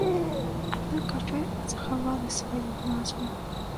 Аднак кафэ захавала сваю назву.